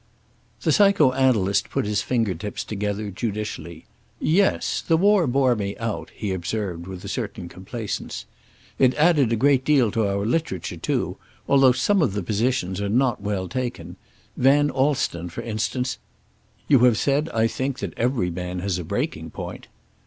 The psycho analyst put his finger tips together, judicially. "Yes. The war bore me out," he observed with a certain complacence. "It added a great deal to our literature, too, although some of the positions are not well taken. Van Alston, for instance " "You have said, I think, that every man has a breaking point."